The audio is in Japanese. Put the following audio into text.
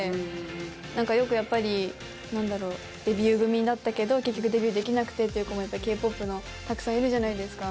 なんかよくやっぱりなんだろうデビュー組だったけど結局デビューできなくてっていう子もやっぱりＫ−ＰＯＰのたくさんいるじゃないですか。